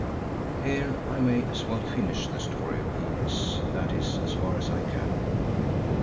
Here I may as well finish the story of Inez, that is, as far as I can.